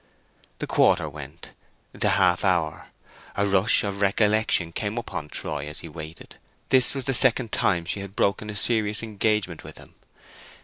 The quarter went, the half hour. A rush of recollection came upon Troy as he waited: this was the second time she had broken a serious engagement with him.